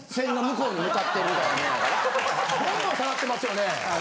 ・どんどん下がってますよね・